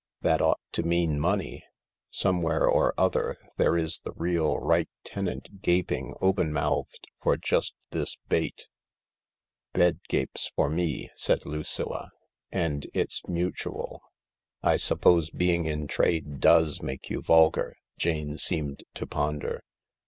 That ought to mean money. Some where or other there is the real right tenant gaping open mouthed for just this bait." "Bed gapes for me," said Lucilla, "and it's mutual.' " I suppose being in trade does make you vulgar." Jane seemed to ponder.